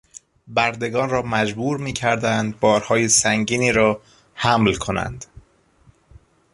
بردگان را مجبور میکردند بارهای سنگینی را حمل کنند.